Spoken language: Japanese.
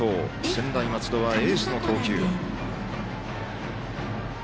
専大松戸はエースの投球。